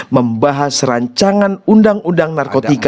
membahas rancangan undang undang narkotika